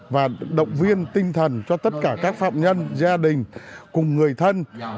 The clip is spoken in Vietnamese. và động viên tinh thần cho tất cả các phạm nhân gia đình cùng người thân